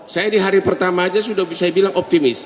saya di hari pertama aja sudah bisa bilang optimis